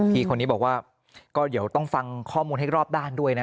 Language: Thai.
พี่คนนี้บอกว่าก็เดี๋ยวต้องฟังข้อมูลให้รอบด้านด้วยนะ